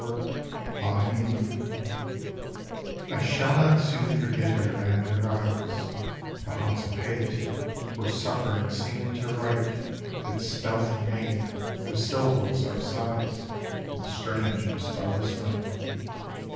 REMBRANDTS I I shall not soon forget her and her eyes, The haunts of hate, where suffering seemed to write Its stealthy name, whose syllables are sighs, In strange and starless night.